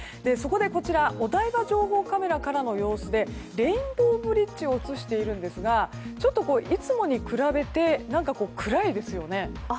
そこでこちらお台場情報カメラからの様子でレインボーブリッジを映しているんですがちょっといつもに比べて暗いですよね。